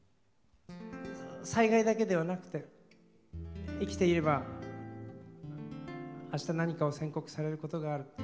災害だけではなくて生きていればあした何かを宣告されることがある。